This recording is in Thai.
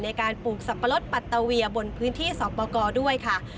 ในการปลูกสัมปะรดปัตเตอร์เวียบนพื้นที่สหกปกรด้วยค่ะ